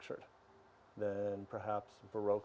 daripada musik barok